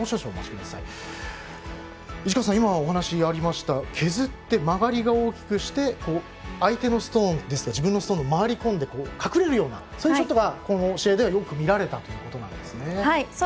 市川さん、お話がありました削って曲がりを大きくして相手のストーンに自分のストーンが回り込んで隠れるようなそういうショットがこの試合ではよく見られたということですね。